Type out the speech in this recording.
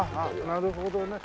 なるほどね。